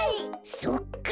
そっか！